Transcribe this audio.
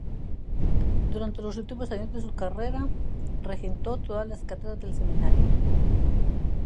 Durante los últimos años de su carrera, regentó todas las cátedras del Seminario.